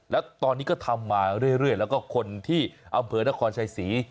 แล้วตอนนี้ก็ทำมาเรื่อยแล้วก็คนที่อำเภอนครชัยศรี